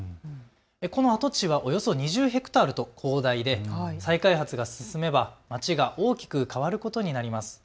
この跡地はおよそ２０ヘクタールと広大で再開発が進めば、まちが大きく変わることになります。